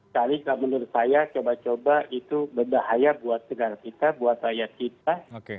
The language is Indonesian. karena menurut saya coba coba itu berbahaya buat negara kita buat rakyat kita